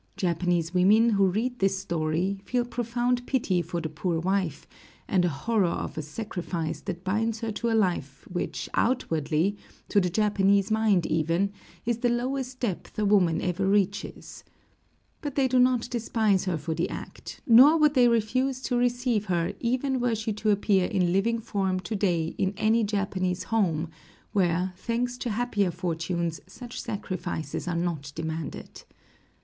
Japanese women who read this story feel profound pity for the poor wife, and a horror of a sacrifice that binds her to a life which outwardly, to the Japanese mind even, is the lowest depth a woman ever reaches. But they do not despise her for the act; nor would they refuse to receive her even were she to appear in living form to day in any Japanese home, where, thanks to happier fortunes, such sacrifices are not demanded.